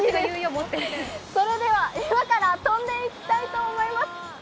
それでは、今から飛んでいきたいと思います。